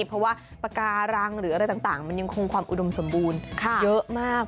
เพราะว่าปากการังหรืออะไรต่างมันยังคงความอุดมสมบูรณ์เยอะมาก